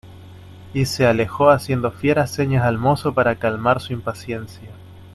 y se alejó haciendo fieras señas al mozo para calmar su impaciencia.